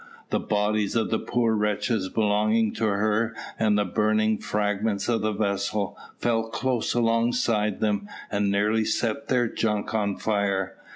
The bodies of the poor wretches belonging to her, and the burning fragments of the vessel, fell close alongside them, and nearly set their junk on fire.